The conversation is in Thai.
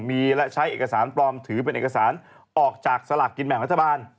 มีและใช้เอกสารปลอมถือเป็นเอกสารออกจากสลากกินแบ่งรัฐบาล